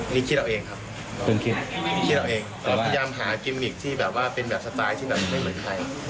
นี่คิดเราเองครับพยายามหากินมิคที่เป็นแบบสไตล์ที่ไม่เหมือนใคร